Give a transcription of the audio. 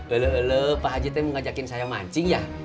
elu elu pak haji teh mau ngajakin saya mancing ya